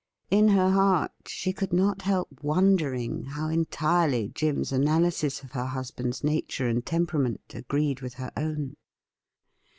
In her heart she could not help wondering how entirely Jim's analysis of her husband's nature and temperament agreed with her own.